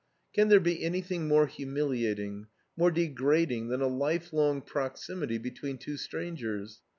Can there be anything more humiliating, more degrading than a life long proximity between two strangers?